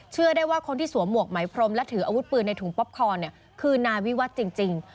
เชื่อได้ว่าคนที่สวมหวกไหมพรมและถืออาวุธปืนในถุงป๊อปคอนคือนายวิวัตรจริง